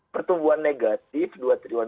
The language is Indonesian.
pertumbuhan negatif dua tribulan